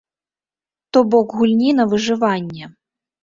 То бок гульні на выжыванне.